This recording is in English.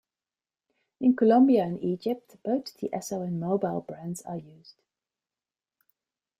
In Colombia and Egypt, both the Esso and Mobil brands are used.